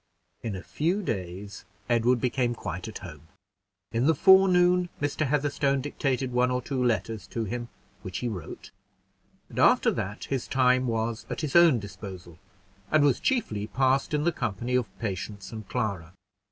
In a few days, Edward became quite at home. In the forenoon, Mr. Heatherstone dictated one or two letters to him, which he wrote; and after that his time was at his own disposal, and was chiefly passed in the company of Patience and Clara.